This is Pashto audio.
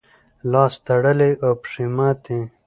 لاس تړلی او پښې ماتې.